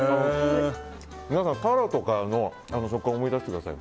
皆さん、タラとかの食感を思い出してください。